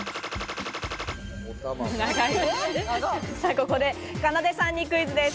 ここでかなでさんにクイズです。